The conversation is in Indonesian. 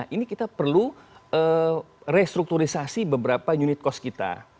ini kita perlu restrukturisasi beberapa unit cost kita